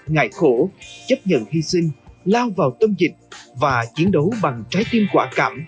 ngại khổ chấp nhận hy sinh lao vào tâm dịch và chiến đấu bằng trái tim quả cảm